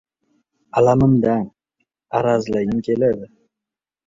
Alamimdan, arazlagim keldi!